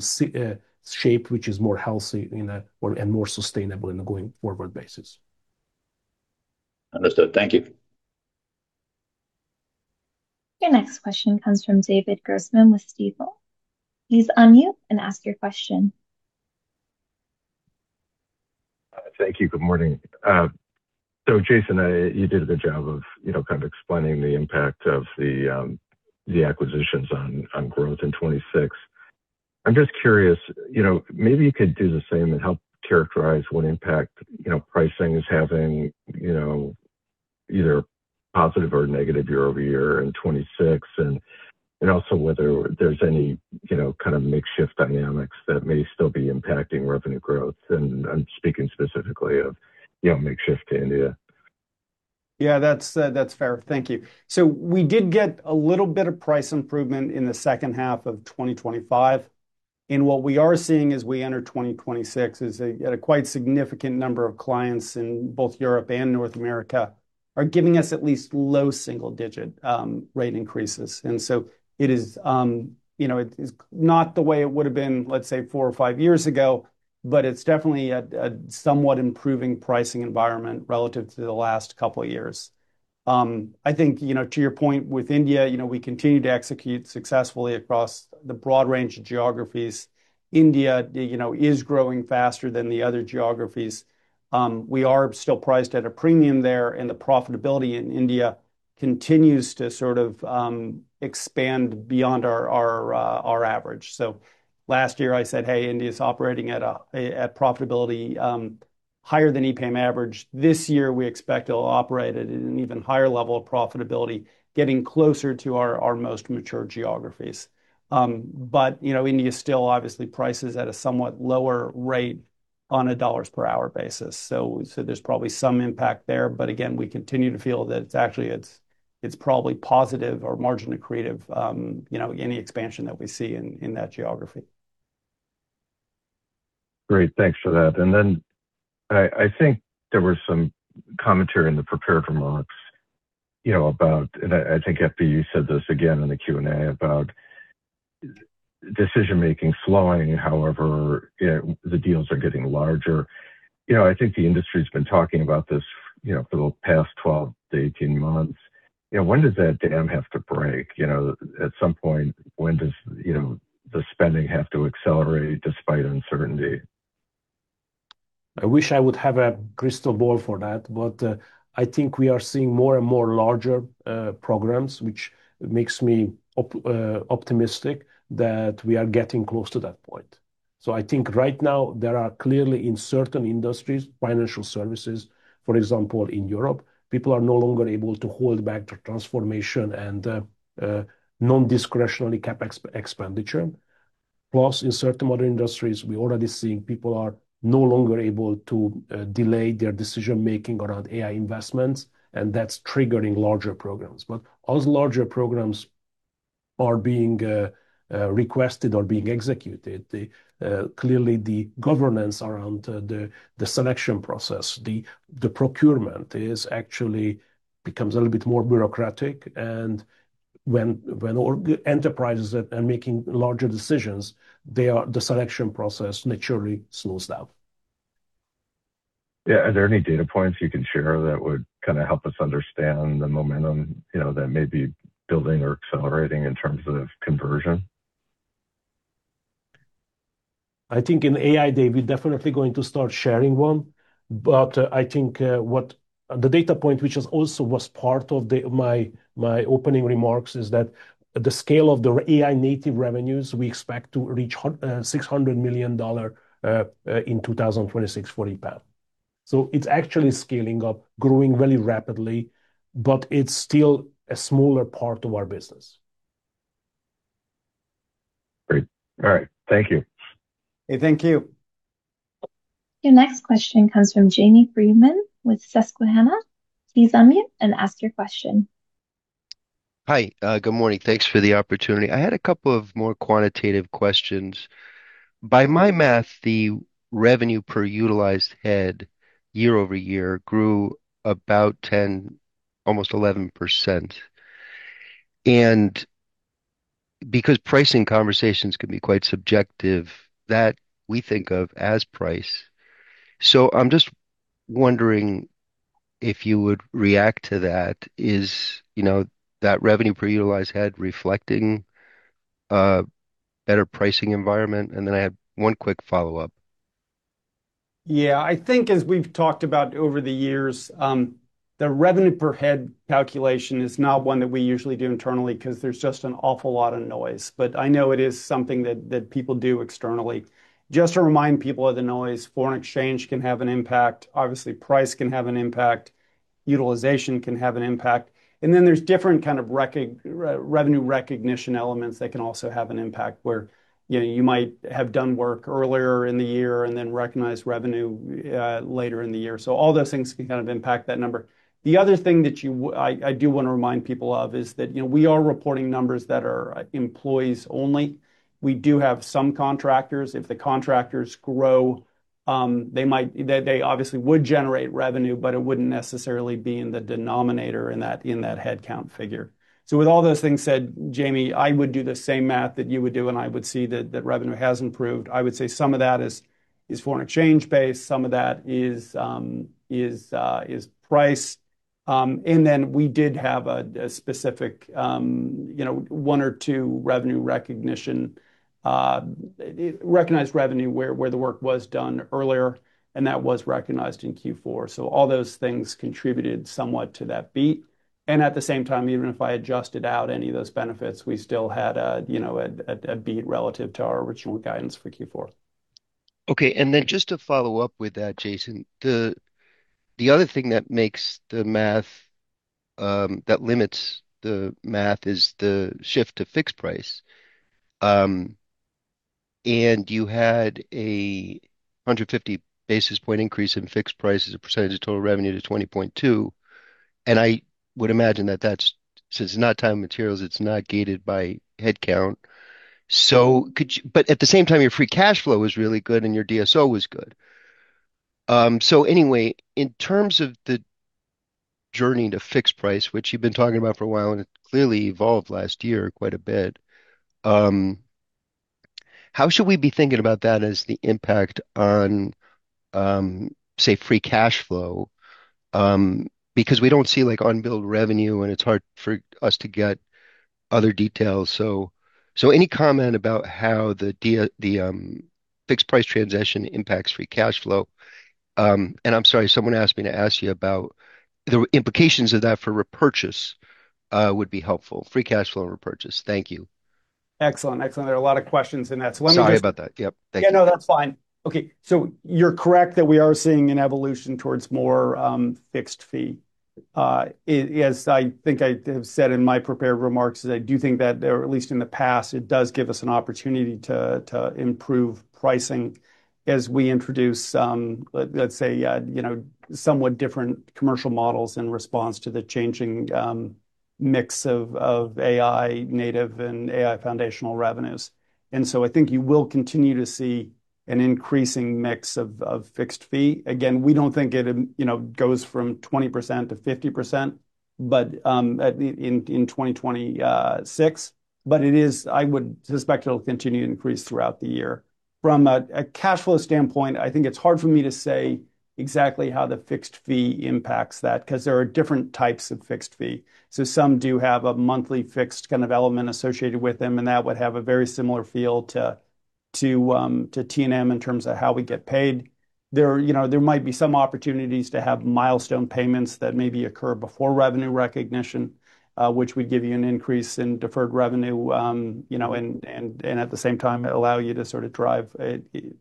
shape, which is more healthy and more sustainable in a going-forward basis. Understood. Thank you. Your next question comes from David Grossman with Stifel. Please unmute and ask your question. Thank you. Good morning. So Jason, you did a good job of, you know, kind of explaining the impact of the acquisitions on growth in 2026. I'm just curious, you know, maybe you could do the same and help characterize what impact, you know, pricing is having, you know, either positive or negative year-over-year in 2026, and also whether there's any, you know, kind of mix shift dynamics that may still be impacting revenue growth. And I'm speaking specifically of, you know, mix shift India. Yeah, that's fair. Thank you. So we did get a little bit of price improvement in the second half of 2025. And what we are seeing as we enter 2026 is that a quite significant number of clients in both Europe and North America are giving us at least low single-digit rate increases. And so it is, you know, it is not the way it would've been, let's say, four or five years ago, but it's definitely a somewhat improving pricing environment relative to the last couple of years. I think, you know, to your point with India, you know, we continue to execute successfully across the broad range of geographies. India, you know, is growing faster than the other geographies. We are still priced at a premium there, and the profitability in India continues to sort of expand beyond our average. So last year I said, "Hey, India's operating at profitability higher than EPAM average." This year, we expect it'll operate at an even higher level of profitability, getting closer to our most mature geographies. But, you know, India still obviously prices at a somewhat lower rate on a dollars per hour basis. So there's probably some impact there, but again, we continue to feel that it's actually probably positive or margin accretive, you know, any expansion that we see in that geography. Great, thanks for that. And then I think there was some commentary in the prepared remarks, you know, about... And I think, FB, you said this again in the Q&A, about decision-making slowing, however, the deals are getting larger. You know, I think the industry's been talking about this, you know, for the past 12-18 months. You know, when does that dam have to break? You know, at some point, when does, you know, the spending have to accelerate despite uncertainty? I wish I would have a crystal ball for that, but I think we are seeing more and more larger programs, which makes me optimistic that we are getting close to that point. So I think right now there are clearly, in certain industries, financial services, for example, in Europe, people are no longer able to hold back their transformation and nondiscretionary CapEx expenditure. Plus, in certain other industries, we're already seeing people are no longer able to delay their decision-making around AI investments, and that's triggering larger programs. But as larger programs are being requested or being executed, clearly the governance around the selection process, the procurement actually becomes a little bit more bureaucratic, and when enterprises are making larger decisions, they are the selection process naturally slows down. Yeah. Are there any data points you can share that would kinda help us understand the momentum, you know, that may be building or accelerating in terms of conversion? I think in AI Day, we're definitely going to start sharing one. But, I think, the data point, which is also was part of the, my opening remarks, is that the scale of the AI-native revenues, we expect to reach $600 million in 2026 for EPAM. So it's actually scaling up, growing very rapidly, but it's still a smaller part of our business. Great. All right, thank you. Hey, thank you. Your next question comes from Jamie Friedman with Susquehanna. Please unmute and ask your question. Hi. Good morning. Thanks for the opportunity. I had a couple of more quantitative questions. By my math, the revenue per utilized head year-over-year grew about 10%, almost 11%. And because pricing conversations can be quite subjective, that we think of as price. So I'm just wondering if you would react to that is, you know, that revenue per utilized head reflecting a better pricing environment? And then I have one quick follow-up. Yeah. I think as we've talked about over the years, the revenue per head calculation is not one that we usually do internally, 'cause there's just an awful lot of noise, but I know it is something that people do externally. Just to remind people of the noise, foreign exchange can have an impact. Obviously, price can have an impact, utilization can have an impact, and then there's different kind of revenue recognition elements that can also have an impact, where, you know, you might have done work earlier in the year and then recognized revenue later in the year. So all those things can kind of impact that number. The other thing that I do wanna remind people of is that, you know, we are reporting numbers that are employees only. We do have some contractors. If the contractors grow... They might, they obviously would generate revenue, but it wouldn't necessarily be in the denominator in that headcount figure. So with all those things said, Jamie, I would do the same math that you would do, and I would see that revenue has improved. I would say some of that is foreign exchange-based, some of that is price. And then we did have a specific, you know, one or two revenue recognition recognized revenue where the work was done earlier, and that was recognized in Q4. So all those things contributed somewhat to that beat. And at the same time, even if I adjusted out any of those benefits, we still had a, you know, a beat relative to our original guidance for Q4. Okay. And then just to follow up with that, Jason, the, the other thing that makes the math, that limits the math is the shift to fixed price. And you had a 150-basis point increase in fixed price as a percentage of total revenue to 20.2%, and I would imagine that that's... since it's not time and materials, it's not gated by headcount. So could you- but at the same time, your free cash flow was really good and your DSO was good. So anyway, in terms of the journey to fixed price, which you've been talking about for a while, and it clearly evolved last year quite a bit, how should we be thinking about that as the impact on, say, free cash flow? Because we don't see, like, unbilled revenue, and it's hard for us to get other details. So any comment about how the fixed price transition impacts free cash flow? And I'm sorry, someone asked me to ask you about the implications of that for repurchase would be helpful. Free cash flow repurchase. Thank you. Excellent. Excellent. There are a lot of questions in that, so let me just- Sorry about that. Yep. Thank you. Yeah, no, that's fine. Okay, so you're correct that we are seeing an evolution towards more fixed fee. As I think I have said in my prepared remarks, is I do think that there, at least in the past, it does give us an opportunity to improve pricing as we introduce let's say you know somewhat different commercial models in response to the changing mix of AI-native and AI foundational revenues. And so I think you will continue to see an increasing mix of fixed fee. Again, we don't think it you know goes from 20%-50%, but in 2026 but it is. I would suspect it'll continue to increase throughout the year. From a cash flow standpoint, I think it's hard for me to say exactly how the fixed fee impacts that, 'cause there are different types of fixed fee. So some do have a monthly fixed kind of element associated with them, and that would have a very similar feel to T&M in terms of how we get paid. There are, you know, there might be some opportunities to have milestone payments that maybe occur before revenue recognition, which would give you an increase in deferred revenue, you know, and at the same time, allow you to sort of drive...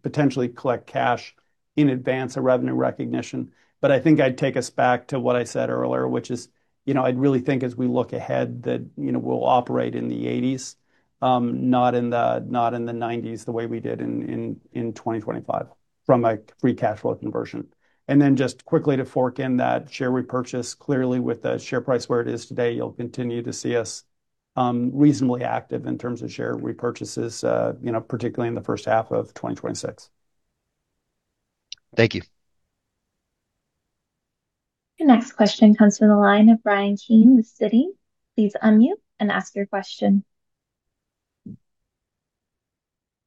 potentially collect cash in advance of revenue recognition. But I think I'd take us back to what I said earlier, which is, you know, I'd really think as we look ahead that, you know, we'll operate in the 80s, not in the 90s, the way we did in 2025, from a free cash flow conversion. And then just quickly to touch on that share repurchase, clearly with the share price where it is today, you'll continue to see us reasonably active in terms of share repurchases, you know, particularly in the first half of 2026. Thank you. The next question comes from the line of Bryan Keane with Citi. Please unmute and ask your question.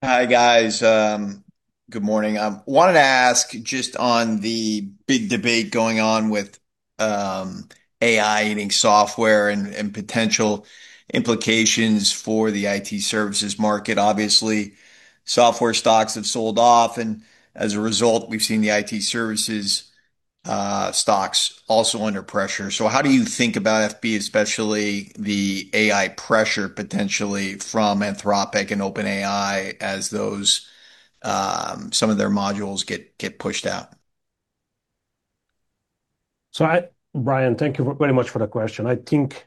Hi, guys. Good morning. I wanted to ask just on the big debate going on with AI eating software and potential implications for the IT services market. Obviously, software stocks have sold off, and as a result, we've seen the IT services stocks also under pressure. So how do you think about FB, especially the AI pressure, potentially from Anthropic and OpenAI as those some of their modules get pushed out? So, Bryan, thank you very much for the question. I think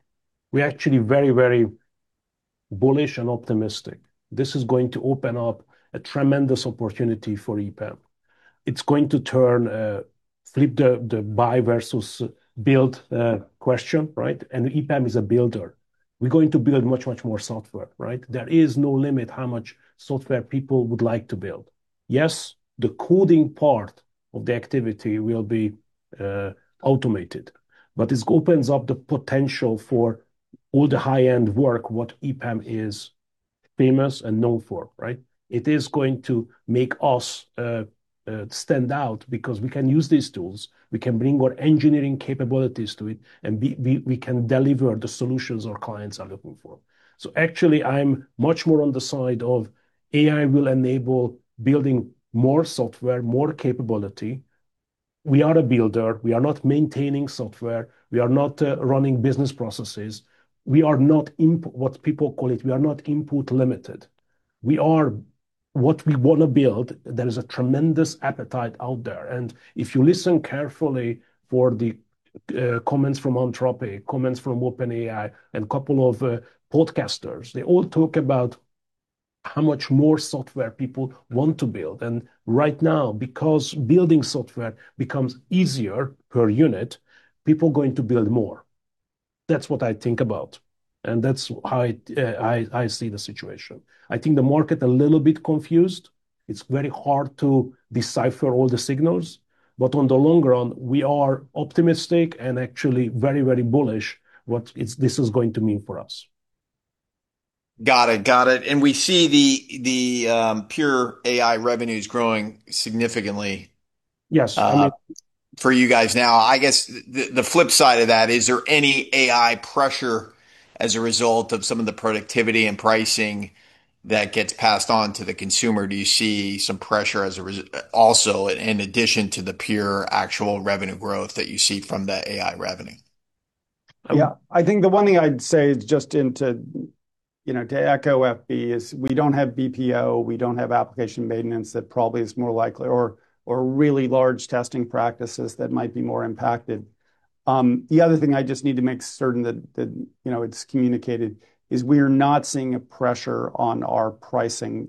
we're actually very, very bullish and optimistic. This is going to open up a tremendous opportunity for EPAM. It's going to turn, flip the buy versus build question, right? And EPAM is a builder. We're going to build much, much more software, right? There is no limit how much software people would like to build. Yes, the coding part of the activity will be automated, but this opens up the potential for all the high-end work what EPAM is famous and known for, right? It is going to make us stand out, because we can use these tools, we can bring our engineering capabilities to it, and we can deliver the solutions our clients are looking for. So actually, I'm much more on the side of AI will enable building more software, more capability. We are a builder. We are not maintaining software. We are not running business processes. We are not what people call it, we are not input limited. We are... What we wanna build, there is a tremendous appetite out there. And if you listen carefully for the comments from Anthropic, comments from OpenAI, and a couple of podcasters, they all talk about how much more software people want to build. And right now, because building software becomes easier per unit, people are going to build more. That's what I think about, and that's how I, I, I see the situation. I think the market a little bit confused. It's very hard to decipher all the signals, but on the long run, we are optimistic and actually very, very bullish what it's this is going to mean for us. Got it. Got it. We see the pure AI revenues growing significantly. Yes. For you guys now. I guess the flip side of that, is there any AI pressure as a result of some of the productivity and pricing that gets passed on to the consumer? Do you see some pressure as a result, also, in addition to the pure actual revenue growth that you see from the AI revenue? Yeah. I think the one thing I'd say is just into, you know, to echo FB, is we don't have BPO, we don't have application maintenance that probably is more likely or really large testing practices that might be more impacted. The other thing I just need to make certain that, you know, it's communicated, is we are not seeing a pressure on our pricing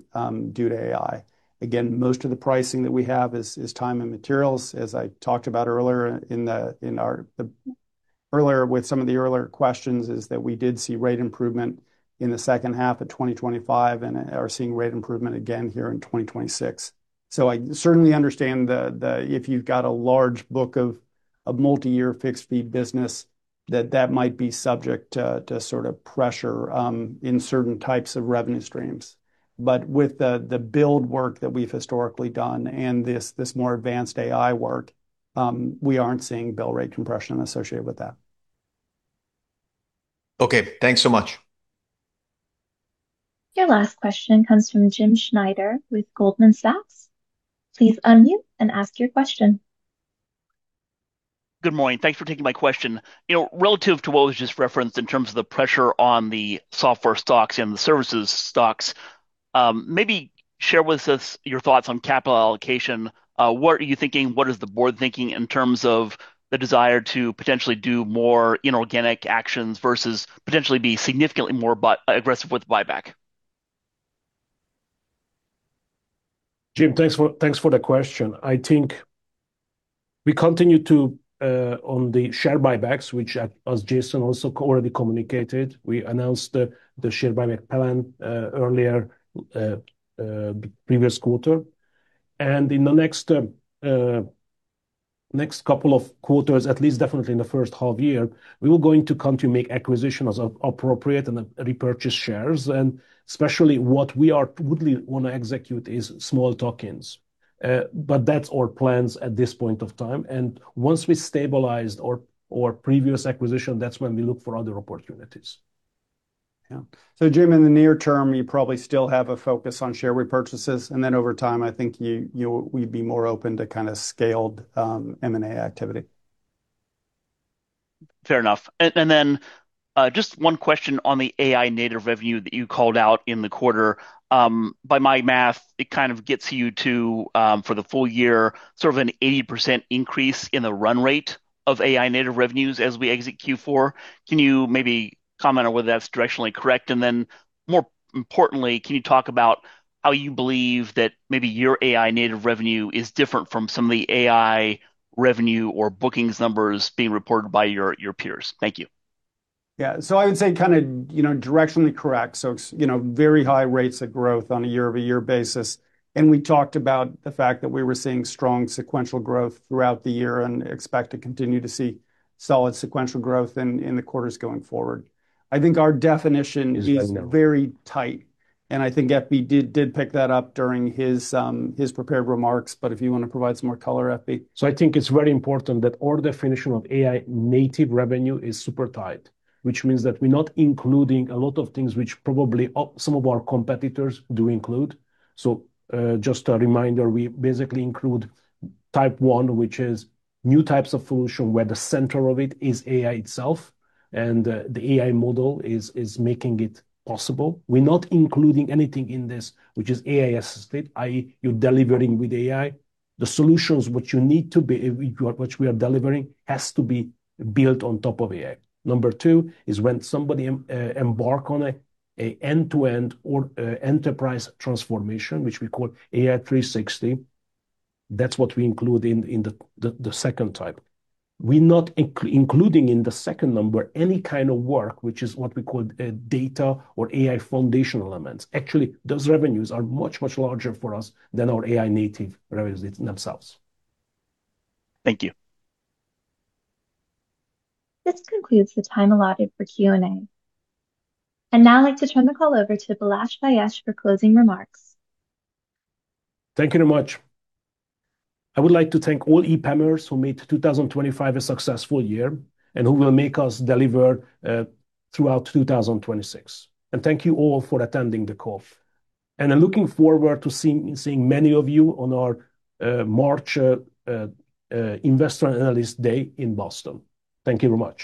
due to AI. Again, most of the pricing that we have is time and materials, as I talked about earlier in the earlier, with some of the earlier questions, is that we did see rate improvement in the second half of 2025, and are seeing rate improvement again here in 2026. So I certainly understand the, if you've got a large book of multi-year fixed fee business, that might be subject to sort of pressure in certain types of revenue streams. But with the build work that we've historically done and this more advanced AI work, we aren't seeing bill rate compression associated with that. Okay, thanks so much. Your last question comes from Jim Schneider with Goldman Sachs. Please unmute and ask your question. Good morning. Thanks for taking my question. You know, relative to what was just referenced in terms of the pressure on the software stocks and the services stocks, maybe share with us your thoughts on capital allocation. What are you thinking? What is the board thinking in terms of the desire to potentially do more inorganic actions versus potentially be significantly more aggressive with the buyback? Jim, thanks for the question. I think we continue to on the share buybacks, which as Jason also already communicated, we announced the share buyback plan earlier, previous quarter. In the next couple of quarters, at least definitely in the first half year, we were going to continue to make acquisitions as appropriate and repurchase shares, and especially what we would wanna execute is small tuck-ins. But that's our plans at this point of time, and once we stabilized our previous acquisition, that's when we look for other opportunities. Yeah. So, Jim, in the near term, you probably still have a focus on share repurchases, and then over time, I think you'd be more open to kinda scaled M&A activity. Fair enough. And, and then, just one question on the AI-native revenue that you called out in the quarter. By my math, it kind of gets you to, for the full year, sort of an 80% increase in the run rate of AI-native revenues as we exit Q4. Can you maybe comment on whether that's directionally correct? And then, more importantly, can you talk about how you believe that maybe your AI-native revenue is different from some of the AI revenue or bookings numbers being reported by your, your peers? Thank you. Yeah. So I would say kinda, you know, directionally correct. So it's, you know, very high rates of growth on a year-over-year basis. And we talked about the fact that we were seeing strong sequential growth throughout the year and expect to continue to see solid sequential growth in the quarters going forward. I think our definition is very tight, and I think FB did pick that up during his prepared remarks, but if you wanna provide some more color, FB. So I think it's very important that our definition of AI-native revenue is super tight, which means that we're not including a lot of things which probably some of our competitors do include. So, just a reminder, we basically include type one, which is new types of solution, where the center of it is AI itself, and the AI model is making it possible. We're not including anything in this, which is AI-assisted, i.e., you're delivering with AI. The solutions which you need to be, which we are delivering, has to be built on top of AI. Number two is when somebody embark on a end-to-end or enterprise transformation, which we call AI 360, that's what we include in the second type. We're not including in the second number, any kind of work, which is what we call, data or AI foundation elements. Actually, those revenues are much, much larger for us than our AI-native revenues in themselves. Thank you. This concludes the time allotted for Q&A. I'd now like to turn the call over to Balazs Fejes for closing remarks. Thank you very much. I would like to thank all EPAMers who made 2025 a successful year, and who will make us deliver throughout 2026. Thank you all for attending the call. I'm looking forward to seeing many of you on our March Investor and Analyst Day in Boston. Thank you very much.